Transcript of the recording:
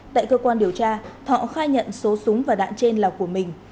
tại cơ quan điều tra thọ khai nhận số súng và đạn trên là của mình